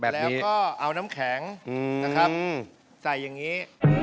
แล้วก็เอาน้ำแข็งนะครับใส่อย่างนี้